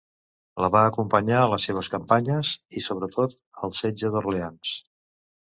La va acompanyar a les seves campanyes, i sobretot al setge d'Orleans.